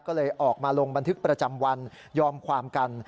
ก็เลยออกมาลงบันทึกประจำวันยอมความกัน